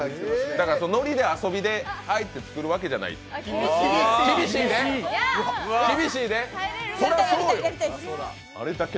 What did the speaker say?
だから、ノリで遊びで作るわけじゃない、厳しいで！